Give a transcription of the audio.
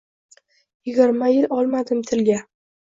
Yigirma yil olmadim tilga